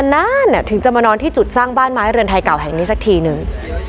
นานถึงจะมานอนที่จุดสร้างบ้านไม้เรือนไทยเก่าแห่งนี้สักทีนึง